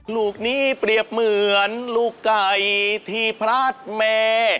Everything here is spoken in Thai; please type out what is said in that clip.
ลูกนี้เปรียบเหมือนลูกไก่ที่พลาดแม่